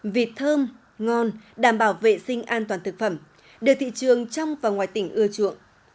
vịt thơm ngon đảm bảo vệ sinh an toàn thực phẩm được thị trường trong và ngoài tỉnh ưa chuộng